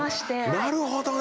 なるほどね！